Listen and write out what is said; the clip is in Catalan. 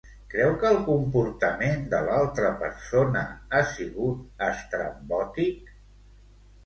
Creu que el comportament de l'altra persona ha sigut estrambòtic?